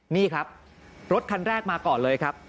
นี่ครับรถคันแรกมาก่อนเลยครับ